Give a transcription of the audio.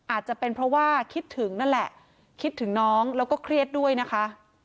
อาจจะเป็นเพราะว่าคิดถึงนั่นแหละคิดถึงน้องแล้วก็เครียดด้วยนะคะ